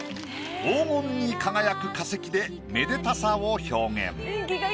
黄金に輝く化石でめでたさを表現。